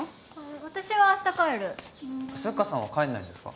私は明日帰るスッカさんは帰んないんですか？